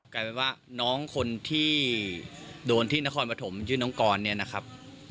กลายเป็นว่าน้องคนที่โดนที่นครปฐมชื่อน้องกรเนี่ยนะครับ